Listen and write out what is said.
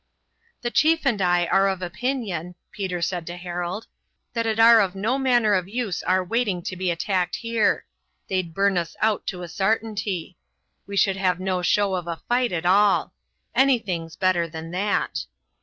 "The chief and I are of opinion," Peter said to Harold, "that it are of no manner of use our waiting to be attacked here. They'd burn us out to a sartinty; we should have no show of a fight at all. Anything's better than that.